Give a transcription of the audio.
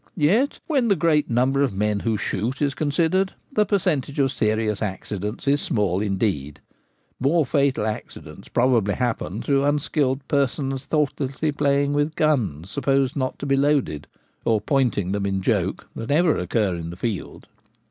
Yet, when the great number of men who shoot is con sidered, the percentage of serious accidents is small indeed ; more fatal accidents probably happen through unskilled persons thoughtlessly playing with Starlings Quick to Learn. 199 guns supposed not to be loaded, or pointing them in joke, than ever occur in the field.